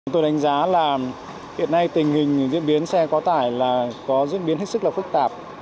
tôi đánh giá là hiện nay tình hình diễn biến xe quá tải là có diễn biến hết sức là phức tạp